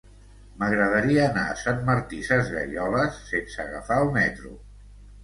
M'agradaria anar a Sant Martí Sesgueioles sense agafar el metro.